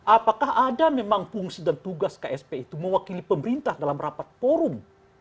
apakah ada memang fungsi dan tugas ksp itu mewakili pemerintah dalam rapat forum